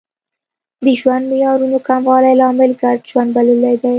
د ژوند معیارونو کموالی لامل ګډ ژوند بللی دی